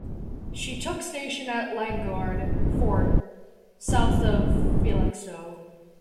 She took station at Landguard Fort, South of Felixstowe.